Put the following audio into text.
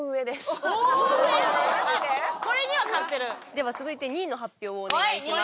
では続いて２位の発表をお願いします。